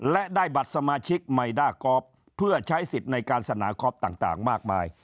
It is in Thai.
และได้บัตรสมาชิกไมด้ากอล์ฟเพื่อใช้สิทธิ์ในการสนากอล์ฟต่างมากมาย